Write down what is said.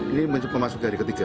ini masuk ke hari ketiga